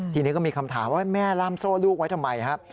ทีนี้ก็มีคำถามว่าแม่ล่ามโซ่ลูกไว้ทำไมครับ